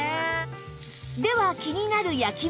では気になる焼き目は？